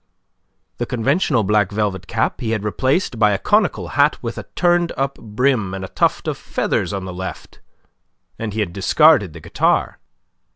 The conventional black velvet cap he had replaced by a conical hat with a turned up brim, and a tuft of feathers on the left, and he had discarded the guitar.